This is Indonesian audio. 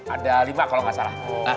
ada lima kalau nggak salah